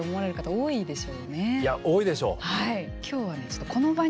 多いでしょ。